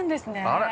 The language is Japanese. あれ？